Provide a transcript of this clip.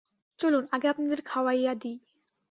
চলুন, আগে আপনাদের খাওয়াইয়া দিই।